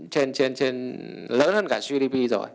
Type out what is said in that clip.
trên lớn hơn cả gdp rồi